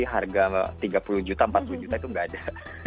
harga tiga puluh juta empat puluh juta itu nggak ada